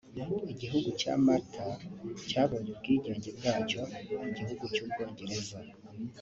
Igihugu cya Malta cyabonye ubwigenge bwacyo ku gihugu cy’ubwongereza